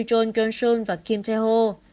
jeon kyung soon và kim tae ho